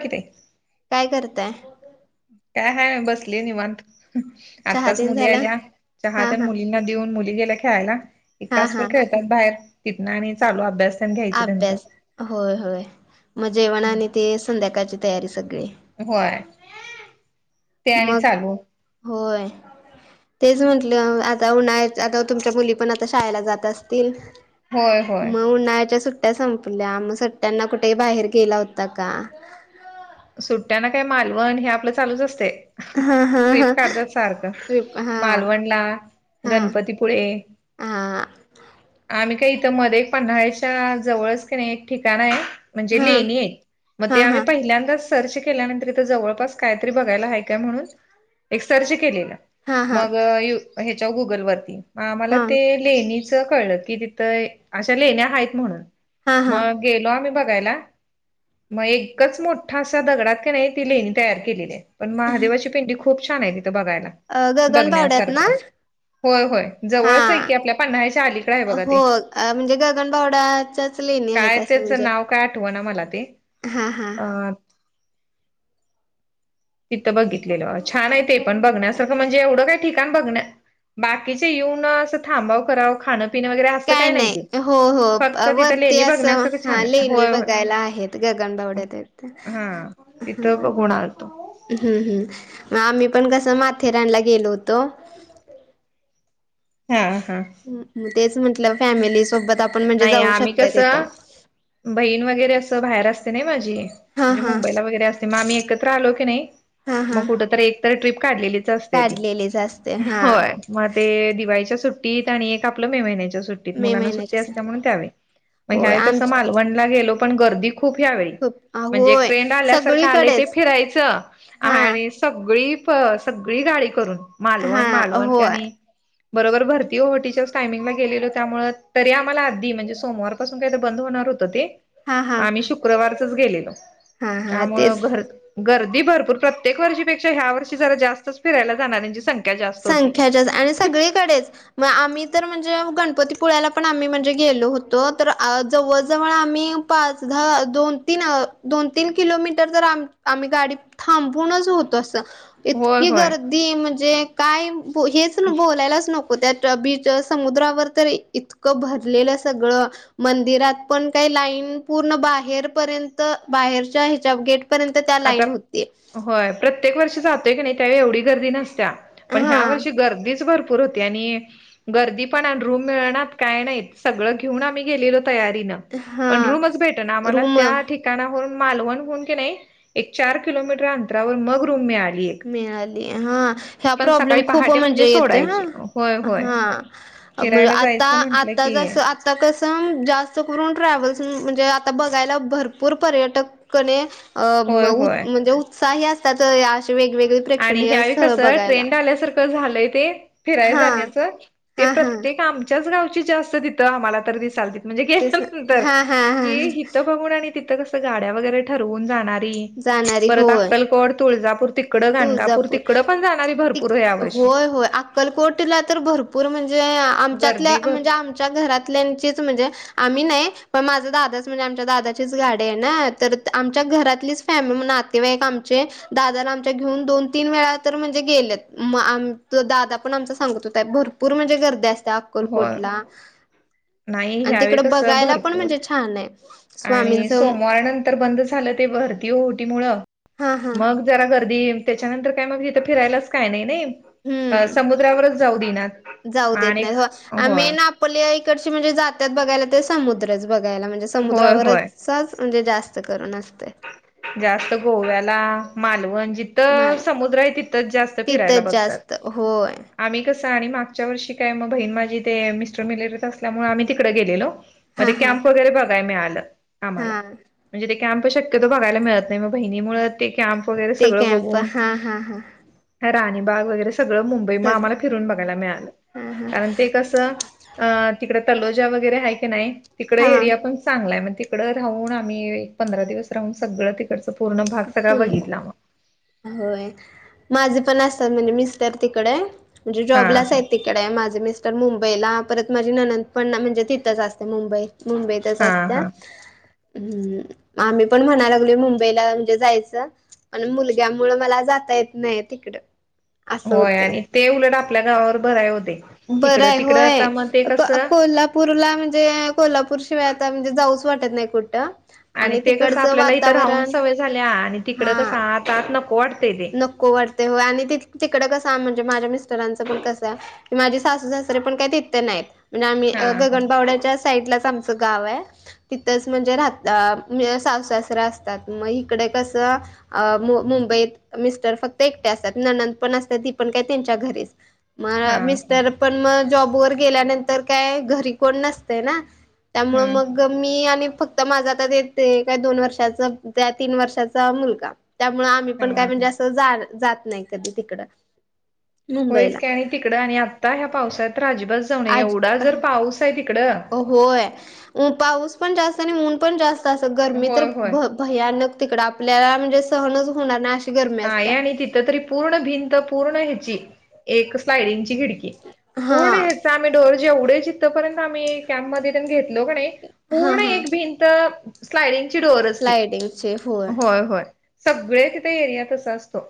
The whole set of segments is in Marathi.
की नई काय करताय? काय हाय बसली निवांत. चहा आत्ताच तेन मुली झाला? आल्या चहा हा तेन हा मुलींना देऊन मुली गेल्या खेळायला. एक हा तासभर हा खेळतो बाहेर तिथनं आणि चालू अभ्यास. तेन घ्यायचं अभ्यास त्यांचं होय होय मग जेवणा आणि ते संध्याकाळची तयारी सगळी. होय ते आणि मग चालू. होय. तेच म्हटलं आता उन्हा आता तुमच्या मुली पण आता शाळेला जात असतील. होय होय मग उन्हाळ्याच्या सुट्ट्या संपल्या मग सुट्ट्यांना कुठे बाहेर गेला होता का? सुट्ट्यांना काय मालवण हे आपलं चालूच असतय. हा हा ट्रिप हा काढतात सारखं ट्रिप हा मालवणला गणपतीपुळे. आ. आम्ही काही इथं मदे एक पन्हाळ्याच्या जवळच का नाही एक ठिकाण आहे. म्हणजे हा लेणी आहेत, मग हा ते हा आम्ही हा पहिल्यांदाच सर्च केल्यानंतर इथ जवळपास कायतरी बघायला हाय काय म्हणून, एक सर्च केलेलं. मग हा ह्याच्यावर गुगलवरती मला ते लेणीच कळलं की ति तर अशा लेण्या आहेत म्हणून हा हा मग गेलो आम्ही बघायला, मग एकच मोठ ठास असा दगडात की नाही ती लेहिणी तयार केलेली आहे पण महादेवाची पेंटी खूप छान आहे तिथं बघायला. अ गगनबावड्यात ना? बघण्यासारखं होय होय हा जवळच आहे की आपल्या पन्हाळ्याच्या अलीकडे आहे बघा हो ते म्हणजे गगनबावडा [unintelligible] लेणे आहेत असे म्हणजे का आठवा ना मला ते हां हां. अ [inaudible] तिथं बघितलेलं. छान आहे ते पण बघण्यासारखं म्हणजे एवढं काय ठिकाण बघण्या बाकीचे येऊन असं थांबाव करावं खाणंपिणं वगैरे हा काय नाही‌ हो हो. वरती लेणी असं बघण्यासारखं हा छान आहे लेणी होय होय बघायला आहेत. गगनबावडा हा तिथं बघून आलतो. हम्म हम्म. मग आम्ही पण कसं माथेरानला गेलो होतो. हा हा. हम्म तेच म्हटलं फॅमिली सोबत आपण म्हणजे नाही जाऊ आम्ही शकताय कसं तिथं. बहीण वगैरे असं बाहेर असते नाही माझी हां, म्हणजे हां. मुंबईला वगैरे असते. मग आम्ही एकत्र आलो की नाही, हां, मग हां. कुठतरी एक तर ट्रीप काढलेली असत्या ती काढलेलीच असते हां. होय. मग ते दिवाळीच्या सुट्टीत आणि एक आपलं मे महिन्याच्या सुट्टीत. मे मुलांना सु त्या महिन्याचीच आहे. होय ह [unintelligible] क आमची मालवण गेलो पण गर्दी खुप ह्यावेळी खूप म्हणजे एक होय ट्रेंड आल्यासारखं आलंय ते सगळीकडेच फिरायचं. हां, आणि सगळी प सगळी गाडी करून मालवण हां. मालवण होय. त्यानी. बरोबर भरती ओहोटीच्याच टायमिंगला गेलेलो त्यामुळं तरी आम्हाला आधी म्हणजे सोमवारपासून काय तर बंद होणार होतं ते. हां, हां. आम्ही शुक्रवारचच गेलेलो हा हा त्यामुळं तेच घर गर्दी भरपूर प्रत्येक वर्षीपेक्षा ह्या वर्षी जरा जास्तच फिरायला जाणाऱ्यांची संख्या जास्त होती. संख्याच्या आणि सगळीकडेच. मग आम्ही तर म्हणजे गणपतीपुळ्याला पण आम्ही म्हणजे गेलो होतो तर आ जवळ जवळ आम्ही पाच दहा दोन तीन दोन तीन किलोमीटर तर आम-आम्ही गाडी थांबवून होत असं. होय इतकी होय गर्दी म्हणजे काय पो हेच बोलायलाच नको. [unintelligible] त्याच्या बीच समुद्रावर तर इतकं भरलेलं सगळं. मंदिरात पण काही लाईन पूर्ण बाहेरपर्यंत बाहेरच्या ह्याच्या गेट पर्यंत त्या आता लाईन होते. होय प्रत्येक वर्षी जातोय की नाही त्यावेळी एवढी गर्दी नसत्या. पण हा ह्या वर्षी गर्दीचं भर भरपूर होती आणि गर्दी पण आणि रूम मिळेनात काय नाहीत. सगळं घेऊन आम्ही गेलेलो तयारीन. पण हा रूमच भेटना आम्हाला. रूम त्या ठिक ठिकाणावरुन मालवण म्हणुन की नाही एक चार किलोमीटर अंतरावर मग रूम मिळाली. एक मिळाली हा ह्या पण सकाळी प्रॉब्लेम खूप पहाटे म्हणजे येतोय हा सोडायची होय होय हा. [unintelligible] म्हणजे फिरायला आता जायचं म्हंटलं आता की जसं आ. आता कसं जास्त करून ट्रॅव्हल्स म्हणजे आता बघायला भरपूर पर्यटक क [unintelligible] अ होय होय म्हणजे उत्साही असतात अे वेगवेगळे आणि ह्यावेळी कसं ट्रेंड आल्यासारखं झालंय ते फिराय हा जाण्याचं. ते हा हा प्रत्येक आमच्याच गावची जास्त तिथं आम्हाला तर दिसालती. म्हणजे तेच केल्या नंतर हा हा हा की हित बघून आणि तिथं कसं गाडा वगैरे ठरवून जाणारी जाणारी परत होय अक्कलकोड तुळजापूर [unintelligible] गाणगापूर तुळजापूर तिकडडे पण जाणारी भरपूर यावर्षी होय होय अक्कलकोटला तर भरपूर म्हणजे आमच्यातल्या गर्दी भर म्हणजे आमच्या घरात त्यातल्याचीच म्हणजे. आम्ही नाही पण माझा दादाच म्हणजे आमच्या दादाचीच गाडे आहे ना तर आमच्या घरातलीच. फॅम [unintelligible] म्हते आमचे दादाला आम ते घेऊन दोन तीन वेळा तर म्हणजे गेल्यात मग आम दादा पण आमचा सांगत होता भर पूर म्हणजे गर्दी असते हो अक्कलकोटला. नाही आणि ह्यावेळी तिकड कसं बघायला पण भरपूर म्हणजे छान आहे स्वामींच. तर बंद झालं ते भरती ओटी मुळं हा हा मग जरा गर्दी त्याच्यानंतर काय मग हे. फिरायलाच काय नाही नाही अ हम्म समुद्रावरच जाऊ देणार आणि आम्ही होय [unintelligible] आपल्या इकडची म्हणजे जात्यात बघायला ते समुद्रच बघायला म्हणजे होय होय समुद्रावरच सहज म्हणजे जास्त करून असतय. जास्त गोव्याला मालवण जिथं तर माल समुद्र आहे तिथंच जास्त फिरायला तिथंच बघतात. जास्त होय आम्ही कसं आणि मागच्या वर्षी काय मग बहीण माझी ते मिस्टर मिलेरत असल्यामुळे आम्ही तिकडे गेलेलो. हा मध्ये हा कॅम्प वगैरे बघाय मिळालं हा आम्हाला म्हणजे ते कॅम्प शक्य बघायला मिळतं [unintelligible] नाही म बहिणी मुळं ते कॅम्प वगैरे ते सगळं कॅम्प बघून हा हा हा हा राणीबाग वगैरे सगळं मुंबई मा सग आम्हाला फिरून बघायला मिळालं हा हा कारण ते कसं? अ तिकडं तलोजा वगैरे आहे की नाही तिकडे हा एरिया पण चांगला आहे मग ते. तिकडं राहून आम्ही एक पंधरा दिवस राहून सगळं तिकडचं. [inaudible] होय माझे पण असतात म्हणजे [unintelligible] मर तिकडे. म्हणजे हा जॉबला च हा हायती. [unintelligible] डे माझी मिस्टर मुंबईला परत माझी ननंदपण म्हणजे तिथंच असते मुंबई मुंबईत. तसं हा अत्या हा हम आम्ही पण म्हणा लागलोय मुंबईला. जायचं आणि मुलग्यामूळ मला जाता येत नाही तिकड. होय आणि ते उलट आपल्या गावावर भराय हो ते. बरं आहे होय अ अकोला कसं कोल्हा पूरला म्हणजे कोल्हापूर शिवाय आता म्हणजे जाऊच वाटत नाही कुठं. आणि ते कसं तिकडचं आपल्याला इथं राहून वातावरण सवय झाल्या आणि तिकड कसं हा आत आत नको वाटते ते. नको वारते हो आणि ति तिकडं कसं म्हणजे माझ्या मिस्टरांचं पण कसं? की माझे सासू सासरे पण काही तेथे नाहीत म्हणजे आम्ही हा हा गगनबावड्याच्या साईड लाच आमचं गाव आहे. तिथंच म्हणजे राहतं सह सासरां असतात मग इकडे कसं. अ मु मुंबईत मिस्टर फक्त एकटे असत्यात ननंद पण असतात ती पण काय त्यांच्या घरीच. म हा हा मिस्टर पण मग जॉब वर गेल्यानंतर काय घरी कोण नसते ना. त्यामुळे हम्म मग मी आणि फक्त माझा आता देते का दोन वर्षाचा त्या तीन वर्षाचा मुलगा. त्यामुळं आम्ही हा पण काय हा म्हणजे असं जा जात नाही कधी तिकडं. होयच मुंबईला की आणि तिकडं आणि आता ह्या पावसाळ्यात तर अजिबात जाऊ नये आज एवढा जर पाऊस आहे तिकडं. होय अ पाऊस पण जास्त आणि उन पण जास्त असं गरमी तर होय होय भ भयानक तिकडं आपल्याला म्हणजे सहनच होणार ना. [inaudible] नाही असत्या आणि तिथं तरी पूर्ण भिंत पूर्ण ह्याची. एक स्लाइडिंगची खिडकी हा पूर्ण ह्याचा आम्ही डोर जेवढे चित्थपर्यंत आम्ही. कॅम्प मध्ये तेन घेतलो कणी हा पूर्ण हा एक भिंत. स्लायडिंगची डोअर असती होय होय सगळे तिथे एरियात असं असतो.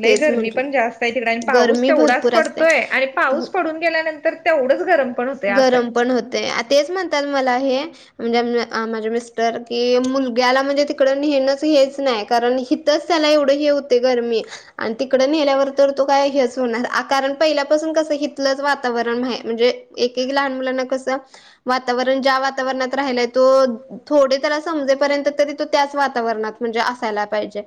लय तेच गरमी म्हंटलं पण जास्त आहे तिकडे आणि पाऊस गरमी तेवढाच भरपूर असते पडतोय आणि पाऊस हो पडून. गेल्यानंतर तेवढंच गरम. पण होतंय असं आहे गरम पण होते हा तेचं म्हणतात मला हे. म्हणजे [unintelligible] माझे मिस्टर की मुलग्याला म्हणजे तिकडं नेणंच हेच नाही कारण तरच त्याला एवढं हे होते गरमी. आणि तिकडं नेल्यावर तर तो काय हेच होणार कारण पहिल्यापासून कसं हथलंच वातावरण आहे म्हणजे एक एक लहान मुलांना कसं वातावरण ज्या वातावरणात राहिलंय तो. थोडे त्याला समजेपर्यंत तरी तो त्याचं वातावरणात म्हणजे असायला पाहिजे.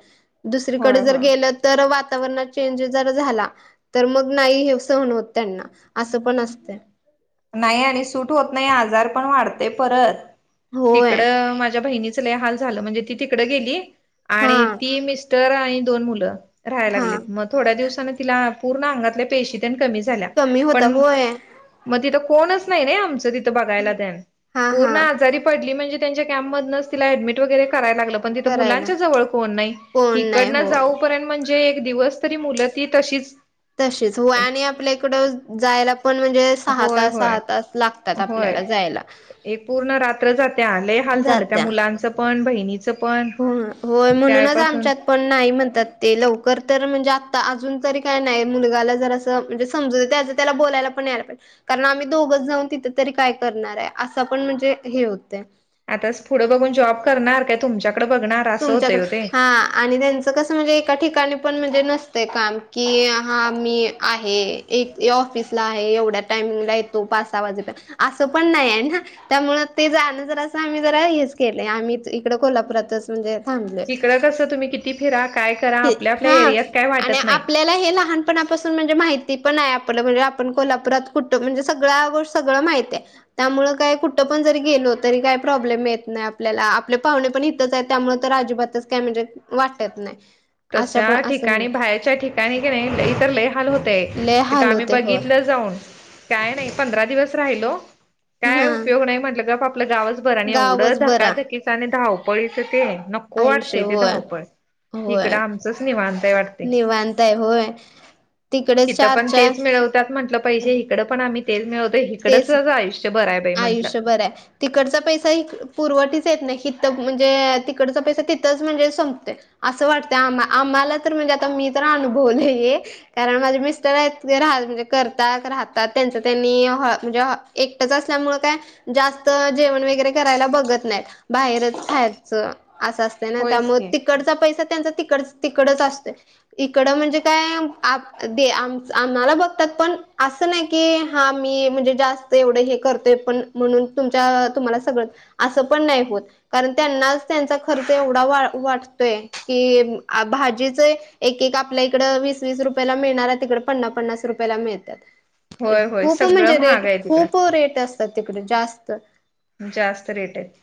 दुसरीकडे होय जर होय गेलं तर वातावरणात चेंज जर झाला. तर मग नाही हे [unintelligible] सहन होत त्यांना असं पण असतय. नाही आणि सूट होत नाही आजार पण वाढते परत होय तिकडं माझ्या बहिणीच लेहाल झालं म्हणजे ती तिकडं गेली हा आणि ती मिस्टर आणि दोन मुलं. राहायला हा लागलेत मग थोड्या दिवसा तिला पूर्ण अंगातल्या पेशीद कमी झाल्या कमी होता पण होय मग तिथं कोणच नाही ना आमचं तिथं बघायला त्या हा हा पूर्ण आजारी पडली म्हणजे त्यांच्या कॅम्पमधनच तिला ऍडडमि वगैरे कराय लागलं. पण तिथं करायला मुलांच्या जवळ कोण नाही कोण नाही इकडन हो जाऊपर्यंत म्हणजे एक दिवस तरी मुलं ती तशीच. तशीच हो आणि आपल्या इकडं जायला पण म्हणजे. सहा होय तास होय सहा तास लागतात होय आपल्याला जायला हे पूर्ण रात्र जाते आलंय हाल झालं. त्या जात्या मुलांच पण बहिणीच हो होय म्हणूनचं आमच्यात पण नाही म्हणतात ते लवकर तर म्हणजे आता अजून तरी काय नाही मुलगाला जर असं म्हणजे समजून त्याचं त्याला बोलायला पण यायेला पाहिजे. कारण आम्ही दोघच जाऊन तिथे तरी काय करणार आहे असं पण म्हणजे हे होतंय. आताचं पुढं बघून जॉब करणार काय तुमच्याकडे बघणार. असं होतय तुमच्याकडे ओ ते हा आणि त्यांचं त कसं म्हणजे एका ठिकाणी पण म्हणजे नसतंय काम कि हा मी आहे. एक ऑफिसला आहे एवढ्या [unintelligible] टायमिंगला येतो पाच सहा वाजेप असं पण नाही आहे ना. त्यामुळं ते जाणं जरा असं आम्ही जरा हेच केलं आम्ही इकडे कोल्हापुरातच म्हणजे. थांबलोय तिकडं कसं तुम्ही किती फिरा काय? करा कि आपल्या आपल्या हा एरियात काय आणि वाटत नाही आपल्याला हे लहान पणापासून म्हणजे माहिती पण आहे आपलं म्हणजे आपण कोल्हापुरात कुठं म्हणजे सगळं सगळं माहिती आहे. त्यामुळे काय कुठं पण जरी गेलो तरी काय प्रॉब्लेम येत नाही आपल्याला आपले पाहुणे पण इथंच आहेत. त्यामुळे तर अजिबातच काय म्हणजे वाटत नाही. अशा पण तशा असं म्हणा ठिकाणी बाहेरच्या ठिकाणी की नाही [unintelligible] ल इ तरर लयहाल होतय लय तिथं हाल आम्ही होते बघितलं होय जाऊन [unintelligible] काय नाही पंधरा दिवस राहिलो काय हा उपयोग नाही म्हटलं ग आप आपल्या गावच बरं आणि एवढं गावच बरा धकाधकीचं आणि धावपळीचं ते नको आयुष्य वाटतं ते होय धावपळ. तिकडं आमचचं निवांत आहे. निवांताय होय तिकडे चार चार. त्यात म्हटलं पाहिजे इकडे पण आम्ही तेल मिळवतो तेच इकडचं आयुष्यभर आहे. आयुष्यभर आहे. तिकडचा पैसा इकडं पुरवटीच येत नाही तिथं म्हणजे तिकडचा पैसा तिथंच म्हणजे संपतय. असं वाटतं आम आम्हाला तर म्हणजे आता मी तर अनुभवलेय. कारण माझे मिस्टर आहेत राह म्हणजे करतात राहतात त्यांच त्यांनी म्हणजे एकटंच असं. त्यामुळे काय जास्त जेवण वगैरे करायला बघत नाही बाहेरच खायचं असं. होयच त्यामुळे की. तिकडचा पैसा त्यांचा तिकडं तिकडचं असतोय. इकडं म्हणजे काय [unintelligible] दे आम आम्हाला बघतात पण असं. असं नाही की हा मी म्हणजे जास्त एवढं हे करतोय पण म्हणून तुमच्या तुम्हाला सगळंच. असं पण नाही होत कारण त्यांनाच त्यांचा खर्च एवढा वाटतोय. कि भाजीच एक एक आपल्या इकडे वीस वीस रुपयाला मिळणार आहे तिकडं पन्ना पन्नास रुपयाला मिळत. होय होय खूप सगळं म्हणजे रेट महाग आहे खूप तिकडं रेट असतात तिकडे जास्त. जास्त रेट आहेत.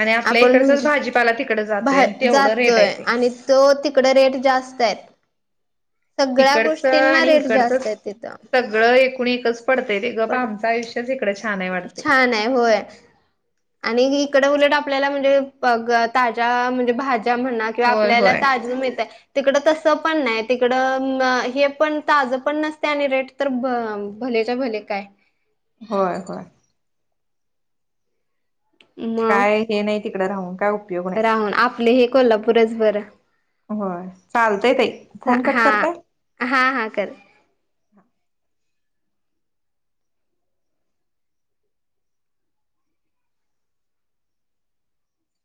आणि आपल्या आपण इकडचं म्हणतो भाजीपाला तिकडं जातोय बाहे आणि तेवढं रेट आहे जातोय ते. आणि तो तिकड रेट जास्त आहेत. सगळ्या तिकडचं गोष्टींना आणि रेट इकडचंच जास्त आहे तिथं. सगळं एकूण एकच पडतंय, ते गप पण आमचं आयुष्यच इकडं छान आहे वाटते छान आहे होय. आणि इकडं उलट आपल्याला म्हणजे मग ताज्या म्हणजे भाज्या म्हणा ते होय आपल्याला होय. ताजं मिळतंय. तिकडं तसं पण नाही तिकडं हे पण ताजं पण नसते आणि रेट तर ब भलेच्या भले काय? होय होय. मग? काय हे नाही तिकडे राहून काय उपयोग नाही राहन आपल हे कोल्हापूरच बर. होय चालतंय ताई. फोन कट हा करताय? हा हा कर.